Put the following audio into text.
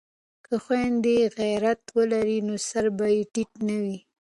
که خویندې غیرت ولري نو سر به ټیټ نه وي.